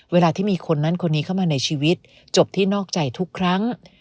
เวลาที่มีคนนั้นคนนี้เข้ามาในชีวิตจบที่นอกใจทุกครั้ง